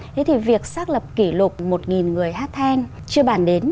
thế thì việc xác lập kỷ lục một người hát then chưa bản đến